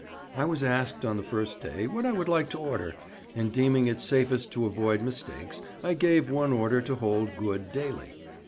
I was asked on the first day what I would like to order, and deeming it safest to avoid mistakes I gave one order to hold good daily.